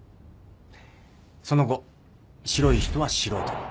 その後白い人は素人に